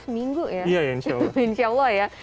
seminggu ya iya ya insya allah